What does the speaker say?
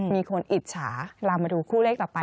มีคนอิจฉาเรามาดูคู่เลขต่อไป